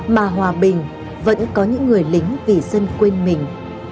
mà hòa bình vẫn có những người lính vì dân quên mình